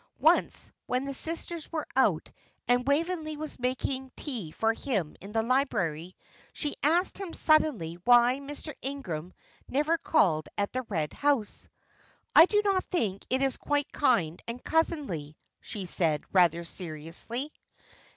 Once, when the sisters were out, and Waveney was making tea for him in the library, she asked him suddenly why Mr. Ingram never called at the Red House. "I do not think it is quite kind and cousinly," she said, rather seriously.